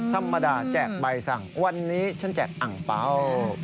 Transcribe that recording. ธรรมดาแจกใบสั่งวันนี้ฉันแจกอังเปล่า